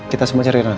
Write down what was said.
kita semua cari rena